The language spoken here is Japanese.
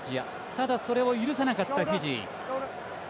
ただそれを許さなかったフィジー。